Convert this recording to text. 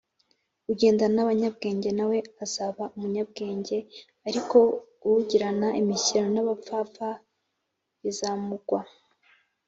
Ugendana n abanyabwenge na we azaba umunyabwenge i ariko ugirana imishyikirano n abapfapfa bizamugwa